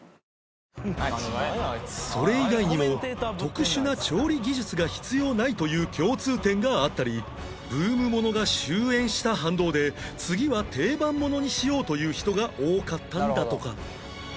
それ以外にも特殊な調理技術が必要ないという共通点があったりブームものが終焉した反動で次は定番ものにしようという人が多かったんだとか